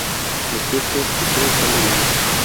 Lo cierto es que todo sale bien.